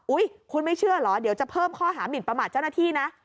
คุณไม่เชื่อเหรอเดี๋ยวจะเพิ่มข้อหามินประมาทเจ้าหน้าที่นะ